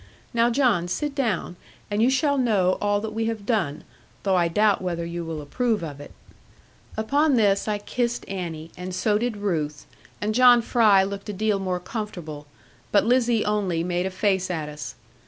Now, John, sit down, and you shall know all that we have done, though I doubt whether you will approve of it.' Upon this I kissed Annie, and so did Ruth; and John Fry looked a deal more comfortable, but Lizzie only made a face at us.